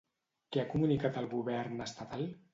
Què ha comunicat el govern estatal?